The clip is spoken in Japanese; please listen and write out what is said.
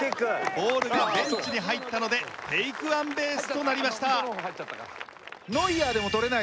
ボールがベンチに入ったのでテイクワンベースとなりました。